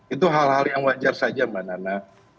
itu hal hal yang wajar saja mbak nana